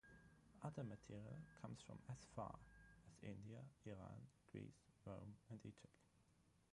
Other material comes from as far as India, Iran, Greece, Rome and Egypt.